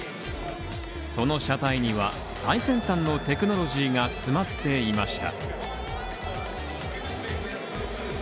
その車体には、最先端のテクノロジーが詰まっていました。